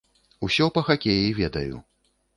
Усё па хакеі ведаю.